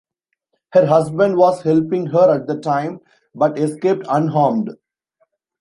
Her husband was helping her at the time, but escaped unharmed.